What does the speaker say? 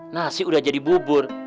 nasi udah jadi bubur